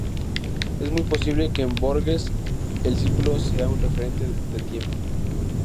Es muy posible que en Borges el círculo sea un referente del Tiempo.